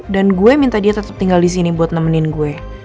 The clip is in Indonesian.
dan gue minta dia tetep tinggal di sini buat nemenin gue